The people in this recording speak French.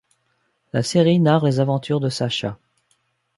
La série narre les aventures de Sacha.